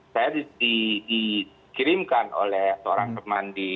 saya dikirimkan oleh seorang teman di